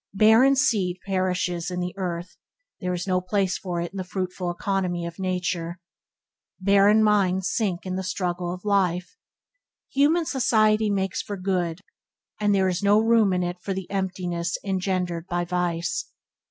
Barren seed perishes in the earth; there is no place for it in the fruitful economy of nature. Barren minds sink in the struggle of life. Human society makes for good, and there is no room in it for the emptiness engendered by vice.